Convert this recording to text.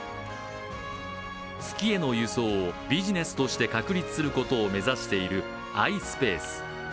月への輸送をビジネスとして確立することを目指しているｉｓｐａｃｅ。